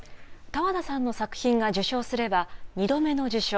多和田さんの作品が受賞すれば２度目の受賞。